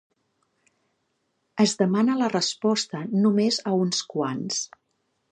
Es demana la resposta només a uns quants.